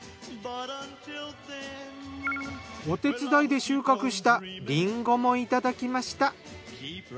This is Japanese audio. お手伝いで収穫したりんごもいただきました。